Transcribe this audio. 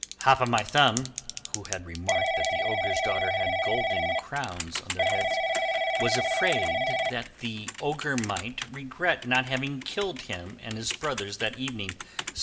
Hop o' My Thumb, who had remarked that the Ogre's daughters had golden crowns on their heads, was afraid that the Ogre might regret not having killed him and his brothers that evening.